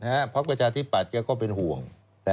ปฏิกิจภาคพระชาติปัจก็ห่วง